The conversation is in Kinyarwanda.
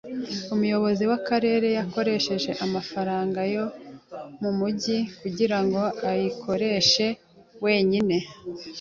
Umuyobozi w'akarere yakoresheje amafaranga yo mumujyi kugirango ayikoreshe wenyine.